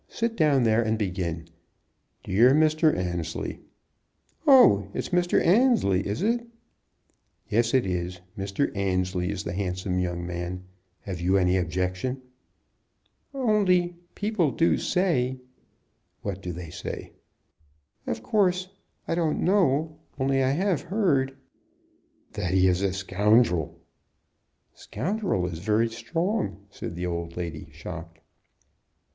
Sit down there and begin. 'Dear Mr. Annesley '" "Oh! It's Mr. Annesley, is it?" "Yes, it is. Mr. Annesley is the handsome young man. Have you any objection?" "Only people do say " "What do they say?" "Of course I don't know; only I have heard " "That he is a scoundrel!" "Scoundrel is very strong," said the old lady, shocked.